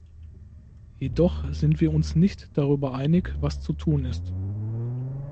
Jedoch sind wir uns nicht darüber einig, was zu tun ist.